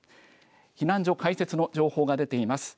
避難所開設の情報が出ています。